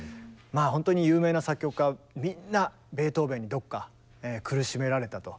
まあほんとに有名な作曲家はみんなベートーベンにどっか苦しめられたと。